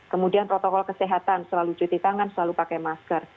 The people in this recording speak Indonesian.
kemudian protokol kesehatan selalu cuti tangan selalu pakai masker